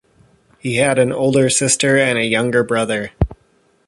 He had an older sister and a younger brother.